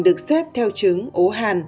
được xếp theo chứng ố hàn